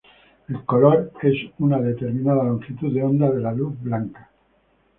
El color es una determinada longitud de onda de la luz blanca.